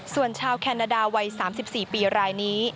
ส่วนชาวแคนาดาวัย๓๔ปีรายนี้